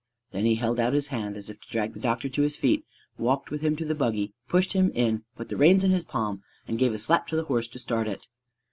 Then he held out his hand as if to drag the doctor to his feet, walked with him to the buggy, pushed him in, put the reins in his palm, and gave a slap to the horse to start it.